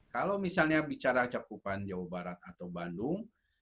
kalau misalnya bicara cakupan jawa barat atau bandung